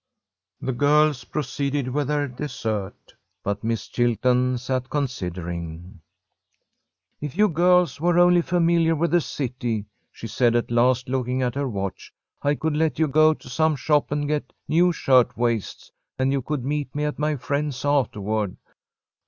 The girls proceeded with their dessert, but Miss Chilton sat considering. "If you girls were only familiar with the city," she said at last, looking at her watch, "I could let you go to some shop and get new shirt waists, and you could meet me at my friend's afterward.